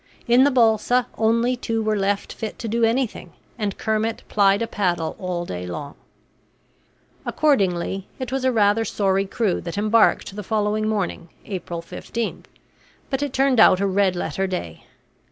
In the balsa only two were left fit to do anything, and Kermit plied a paddle all day long. Accordingly, it was a rather sorry crew that embarked the following morning, April 15. But it turned out a red letter day.